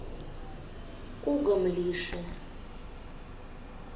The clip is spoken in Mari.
Кугым лийше...